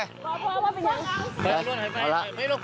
เอาละ